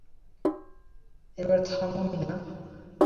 এবার থামো, মীনা।